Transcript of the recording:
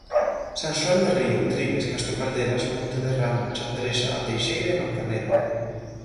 San Xoán de Río, Trives, Castro Caldelas, Montederramo, Chandrexa, A Teixeira e Manzaneda.